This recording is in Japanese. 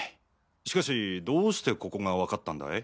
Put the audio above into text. しかしどうしてここがわかったんだい？